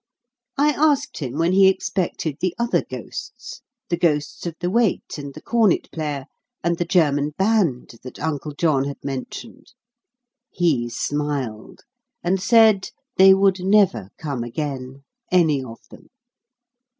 I asked him when he expected the other ghosts the ghosts of the wait and the cornet player, and the German band that Uncle John had mentioned. He smiled, and said they would never come again, any of them.